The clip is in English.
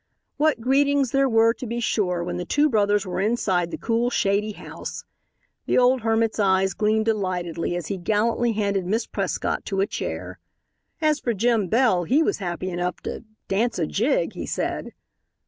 What greetings there were to be sure, when the two brothers were inside the cool, shady house! The old hermit's eyes gleamed delightedly as he gallantly handed Miss Prescott to a chair. As for Jim Bell, he was happy enough to "dance a jig," he said.